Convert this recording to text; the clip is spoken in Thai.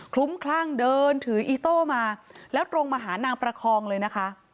ลุ้มคลั่งเดินถืออีโต้มาแล้วตรงมาหานางประคองเลยนะคะ